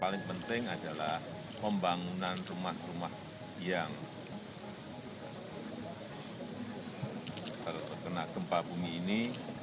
paling penting adalah pembangunan rumah rumah yang terkena gempa bumi ini